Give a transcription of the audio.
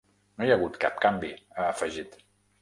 No hi ha hagut cap canvi, ha afegit.